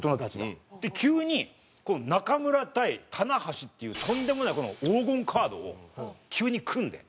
で急に中邑対棚橋っていうとんでもないこの黄金カードを急に組んで。